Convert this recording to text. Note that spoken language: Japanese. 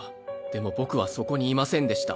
でも僕はそこにいませんでした。